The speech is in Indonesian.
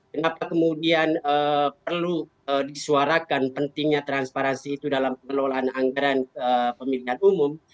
kenapa kemudian perlu disuarakan pentingnya transparansi itu dalam pengelolaan anggaran pemilihan umum